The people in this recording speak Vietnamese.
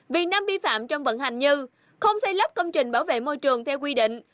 vì năm vi phạm trong vận hành như không xây lấp công trình bảo vệ môi trường theo quy định